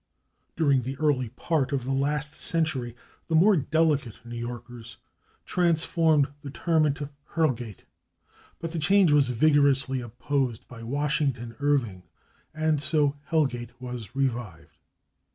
During the early part of the last century the more delicate New Yorkers transformed the term into /Hurlgate/, but the change was vigorously opposed by Washington Irving, and so /Hell Gate/ was revived.